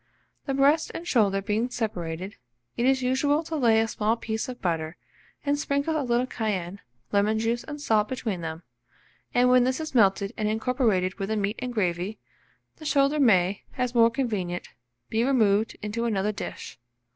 The breast and shoulder being separated, it is usual to lay a small piece of butter, and sprinkle a little cayenne, lemon juice, and salt between them; and when this is melted and incorporated with the meat and gravy, the shoulder may, as more convenient, be removed into another dish.